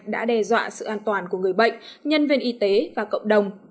đã đe dọa sự an toàn của người bệnh nhân viên y tế và cộng đồng